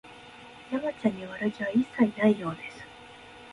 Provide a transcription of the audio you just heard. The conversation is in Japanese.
山ちゃんに悪気は一切ないようです